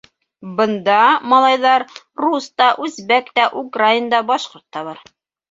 Бында, малайҙар, рус та, үзбәк тә, украин да, башҡорт та бар.